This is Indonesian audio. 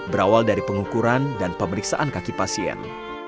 berawal dari pengukuran dan pemeriksaan kaki pasien